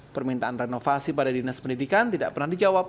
permintaan renovasi pada dinas pendidikan tidak pernah dijawab